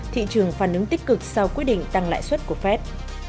thị trường phản ứng tích cực sau quyết định tăng lại suất của fed